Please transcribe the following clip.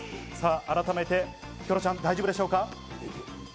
改めて、キョロちゃん大丈夫でしょうか？